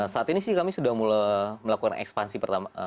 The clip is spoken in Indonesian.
saat ini sih kami sudah mulai melakukan ekspansi selanjutnya ke metro manila